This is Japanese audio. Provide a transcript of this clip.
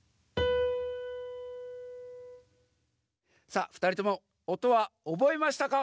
さあふたりともおとはおぼえましたか？